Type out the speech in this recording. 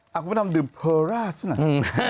อ้าวคุณผู้ชมดื่มเพอราซหน่อย